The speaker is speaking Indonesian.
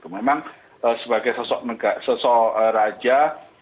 memang sebagai sosok raja